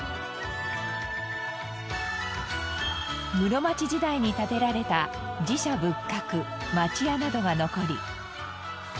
室町時代に建てられた寺社仏閣町家などが残り。